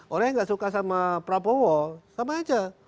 orang yang gak suka sama prabowo sama aja